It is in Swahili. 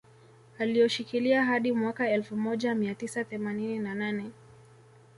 Alioshikilia hadi mwaka elfu moja mia tisa themanini na nane